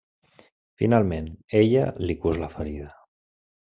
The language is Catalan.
Finalment, ella li cus la ferida.